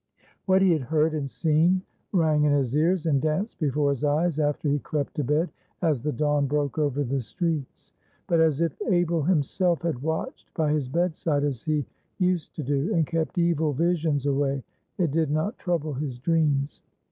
What he had heard and seen rang in his ears and danced before his eyes after he crept to bed, as the dawn broke over the streets. But as if Abel himself had watched by his bedside as he used to do, and kept evil visions away, it did not trouble his dreams.